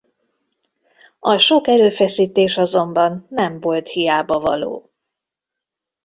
A sok erőfeszítés azonban nem volt hiábavaló.